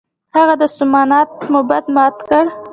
هغه د سومنات معبد مات کړ.